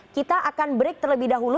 kita akan break terlebih dahulu